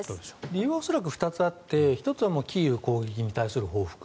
理由は恐らく２つあって１つはキーウ攻撃に対する報復